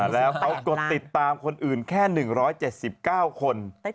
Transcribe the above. แล้วไปกดติดตามคนอื่นแค่๑๗๙คน